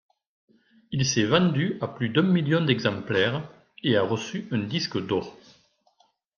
Il s'est vendu à plus d'un million d'exemplaires, et a reçu un disque d'or.